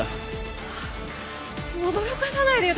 驚かさないでよ。